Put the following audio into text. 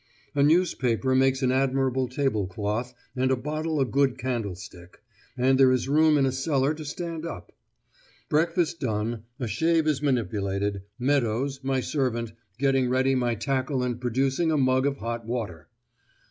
A newspaper makes an admirable tablecloth, and a bottle a good candlestick, and there is room in a cellar to stand up. Breakfast done, a shave is manipulated, Meadows, my servant, getting ready my tackle and producing a mug of hot water. 9.